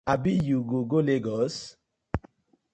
Abi you go go Legos?